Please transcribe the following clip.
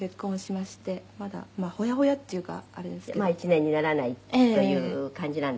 「まあ１年にならないという感じなんですけれども」